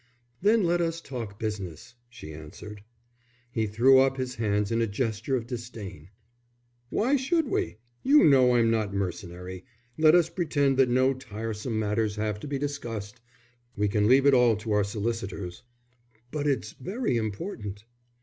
"Then let us talk business," she answered. He threw up his hands in a gesture of disdain. "Why should we? You know I'm not mercenary; let us pretend that no tiresome matters have to be discussed. We can leave it all to our solicitors." "But it's very important."